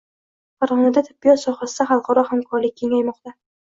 Farg‘onada tibbiyot sohasida xalqaro hamkorlik kengaymoqda